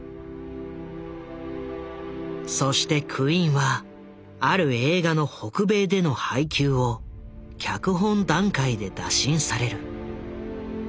そしてクインはある映画の北米での配給を脚本段階で打診される。